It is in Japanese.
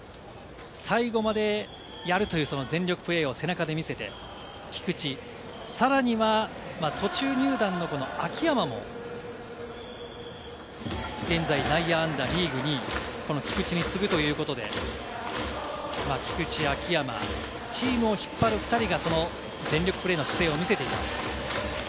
最後までやるという全力プレーを背中で見せて、菊池、さらには途中入団の秋山も現在、内野安打、リーグ２位、菊池に次ぐということで、菊池、秋山チームを引っ張る２人が全力プレーの姿勢を見せています。